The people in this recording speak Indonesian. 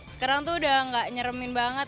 sekarang tuh udah gak nyeremen banget